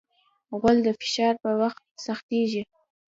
غول د فشار په وخت سختېږي.